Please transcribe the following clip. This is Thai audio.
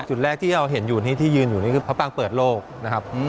จุดแรกที่เราเห็นอยู่นี่ที่ยืนอยู่นี่คือพระปางเปิดโลกนะครับ